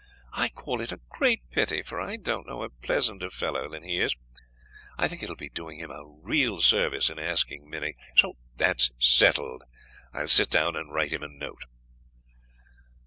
I call it a great pity, for I don't know a pleasanter fellow than he is. I think it will be doing him a real service in asking Minnie; so that's settled. I will sit down and write him a note."